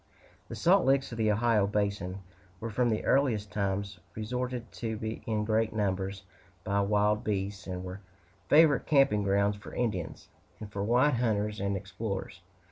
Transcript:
The salt licks of the Ohio basin were from the earliest times resorted to in great numbers by wild beasts, and were favorite camping grounds for Indians, and for white hunters and explorers.